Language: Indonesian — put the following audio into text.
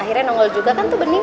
akhirnya nongol juga kan tuh bening